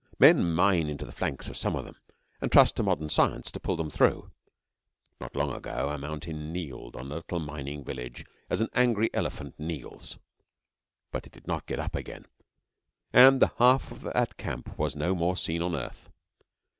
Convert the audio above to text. Men mine into the flanks of some of them, and trust to modern science to pull them through. Not long ago, a mountain kneeled on a little mining village as an angry elephant kneels; but it did not get up again, and the half of that camp was no more seen on earth.